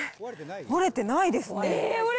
折れてないですね。